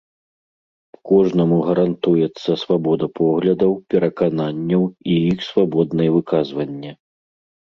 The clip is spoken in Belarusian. Кожнаму гарантуецца свабода поглядаў, перакананняў і іх свабоднае выказванне.